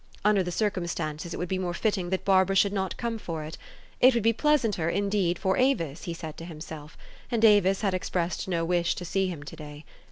Under the circumstances it would be more fitting that Barbara should not come for it ; it would be pleasanter, in deed, for Avis, he said to himself: and Avis had expressed no wish to see him to day.